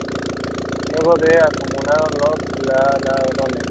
Luego se acumularon los galardones.